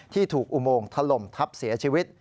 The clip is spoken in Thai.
ที่ถูกอุโมงถล่มทับเสียชีวิต